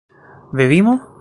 ¿bebimos?